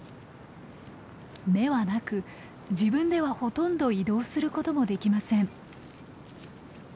目はなく自分ではほとんど移動することもできません。